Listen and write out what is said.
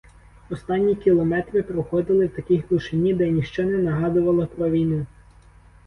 Останні кілометри проходили в такій глушині, де ніщо не нагадувало про війну.